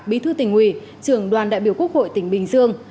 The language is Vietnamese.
bí thư tỉnh ủy trưởng đoàn đại biểu quốc hội tỉnh bình dương